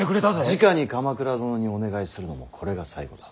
じかに鎌倉殿にお願いするのもこれが最後だ。